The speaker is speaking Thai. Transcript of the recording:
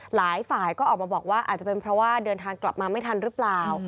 หลายฝ่ายก็ออกมาบอกว่าอาจจะเป็นเพราะว่าเดินทางกลับมาไม่ทันหรือเปล่า